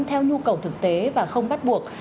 theo nhu cầu thực tế và không bắt buộc